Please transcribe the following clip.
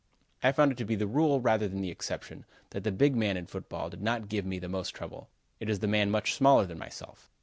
I have found it to be the rule rather than the exception, that the big man in football did not give me the most trouble; it was the man much smaller than myself.